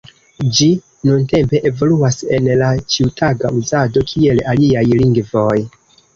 Ĝi nuntempe evoluas en la ĉiutaga uzado kiel aliaj lingvoj.